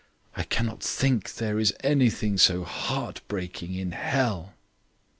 I cannot think there is anything so heart breaking in hell.